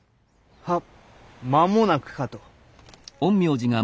はっ間もなくかと。